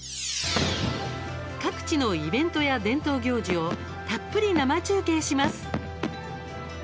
各地のイベントや伝統行事をたっぷり生中継します。